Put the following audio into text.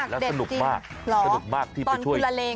แล้วสนุกมากสนุกมากที่ไปช่วย